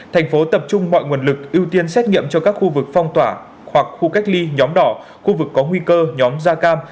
thành phố tập trung mọi nguồn lực ưu tiên xét nghiệm cho các khu vực phong tỏa hoặc khu cách ly nhóm đỏ khu vực có nguy cơ nhóm da cam